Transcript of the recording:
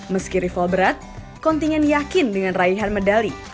meski rival berat kontingen yakin dengan raihan medali